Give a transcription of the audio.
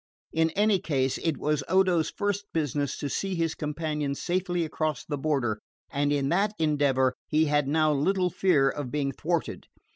In any case, it was Odo's first business to see his companion safely across the border; and in that endeavour he had now little fear of being thwarted.